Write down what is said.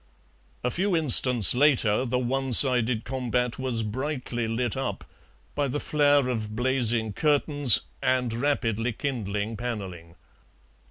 A few instants later the one sided combat was brightly lit up by the flare of blazing curtains and rapidly kindling panelling.